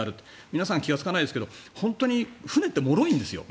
皆さん気がつかないですが本当に船ってもろいんですよ。